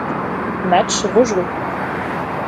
Matchs rejoués.